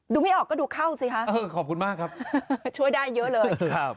ไม่ออกก็ดูเข้าสิคะเออขอบคุณมากครับช่วยได้เยอะเลยครับ